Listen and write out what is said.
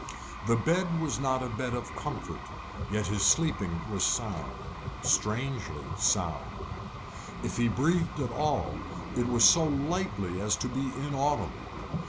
The bed was not a bed of comfort, yet his sleep was sound strangely sound. If he breathed at all, it was so lightly as to be inaudible.